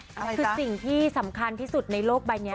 คือสิ่งที่สำคัญที่สุดในโลกใบนี้